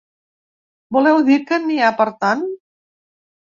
Voleu dir que n’hi ha per a tant?